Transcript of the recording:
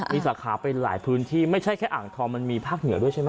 มีสาขาไปหลายพื้นที่ไม่ใช่แค่อ่างทองมันมีภาคเหนือด้วยใช่ไหม